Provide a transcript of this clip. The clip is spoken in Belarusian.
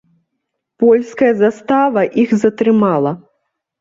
Польская застава іх затрымала.